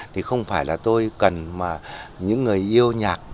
thì không phải là tôi cần mà những người yêu nhạc